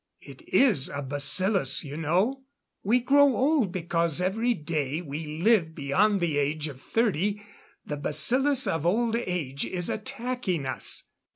It is a bacillus, you know. We grow old because every day we live beyond the age of thirty the bacillus of old age is attacking us.